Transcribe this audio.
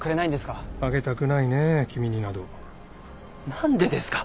何でですか。